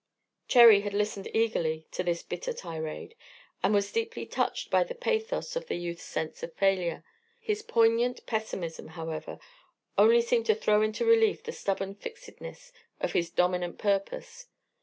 Cherry had listened eagerly to this bitter tirade, and was deeply touched by the pathos of the youth's sense of failure. His poignant pessimism, however, only seemed to throw into relief the stubborn fixedness of his dominant purpose.